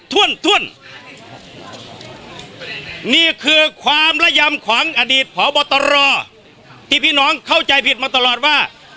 ถ้วนนี่คือความระยำของอดีตพบตรที่พี่น้องเข้าใจผิดมาตลอดว่า